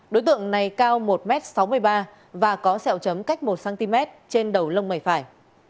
đối tượng này cao một m sáu mươi ba và có sẹo chấm cách một cm trên đầu lông mày phải